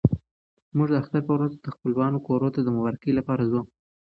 موږ د اختر په ورځ د خپلوانو کورونو ته د مبارکۍ لپاره ځو.